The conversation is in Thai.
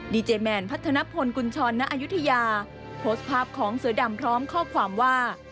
ดีเจแมนพัฒนพลกุญชรณอายุทยาโพสต์ภาพของเสือดำพร้อมข้อความว่า